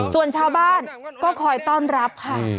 ส่วนชาวบ้านก็คอยต้อนรับค่ะ